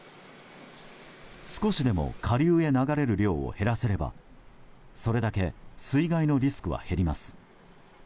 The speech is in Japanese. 少しでも下流へ流れる量を減らせればそれだけ水害のリスクは減ります。